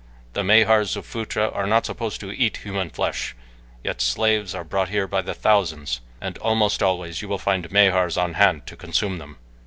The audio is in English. "The Mahars of Phutra are not supposed to eat human flesh, yet slaves are brought here by thousands and almost always you will find Mahars on hand to consume them.